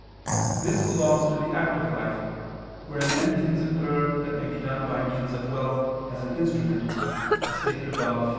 This belongs to the active life, wherein many things occur that may be done by means of wealth as an instrument, as stated (ad 4).